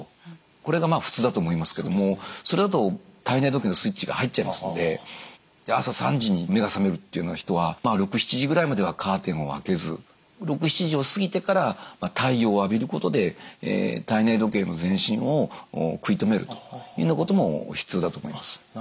これが普通だと思いますけどもそれだと体内時計のスイッチが入っちゃいますので朝３時に目が覚めるっていう人は６７時ぐらいまではカーテンを開けず６７時を過ぎてから太陽を浴びることで体内時計の前進を食い止めるというようなことも必要だと思います。